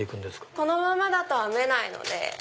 このままだと編めないので。